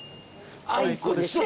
あいこでしょ。